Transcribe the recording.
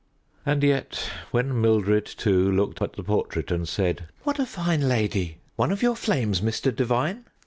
And yet, when Mildred, too, looked at the portrait, and said, "What a fine lady! One of your flames, Mr. Devigne?"